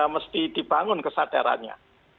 mesti dibangun kesadarannya